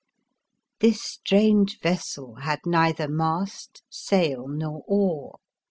This strange vessel had neither mast, sail, nor oar.